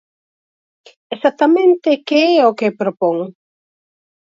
¿Exactamente que é o que propón?